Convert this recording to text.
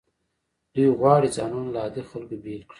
دوی غواړي ځانونه له عادي خلکو بیل کړي.